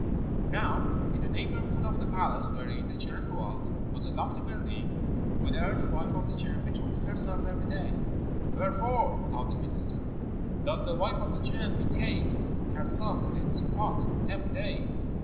"Now in the neighbourhood of the palace wherein the Chan dwelt was a lofty building, whither the wife of the Chan betook herself every day. 'Wherefore,' thought the minister, 'does the wife of the Chan betake herself to this spot every day?'